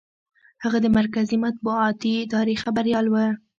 هغه د مرکزي مطبوعاتي ادارې خبریال و.